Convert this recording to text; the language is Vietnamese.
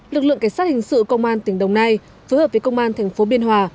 lực lượng cảnh sát hình sự công an tỉnh đồng nai phối hợp với công an thành phố biên hòa